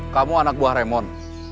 kamu anak buah raymond